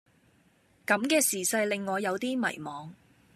咁嘅時勢令我有啲迷惘